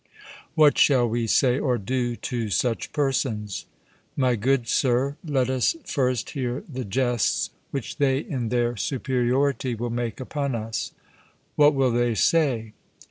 'What shall we say or do to such persons?' My good sir, let us first hear the jests which they in their superiority will make upon us. 'What will they say?'